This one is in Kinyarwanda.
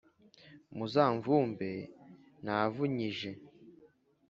muzamvumbe navunyije